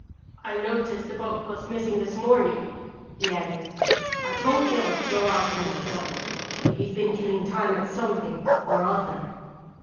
"I noticed the boat was missing this morning," he added. "I told Bill to go out and look for it, but he's been killing time at something or other."